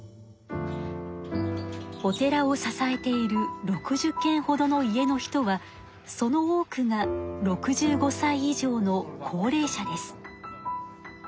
お寺を支えている６０けんほどの家の人はその多くが６５歳以上の高齢者です。